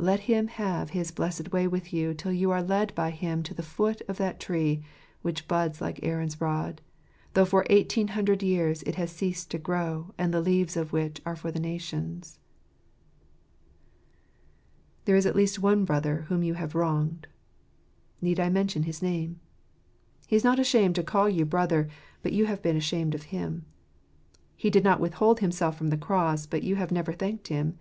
Let Him have his blessed way with you till you are led by Him to the foot of that tree which buds like Aaron's rod, though for eighteen hundred years it has ceased to grow, and the leaves of which are for the nations ! There is at least one Brother whom you have wronged. Need I mention his name? He is not ashamed to call you brother; but you have been ashamed of Him. He did not withhold Himself from the cross ; but you have never thanked Him.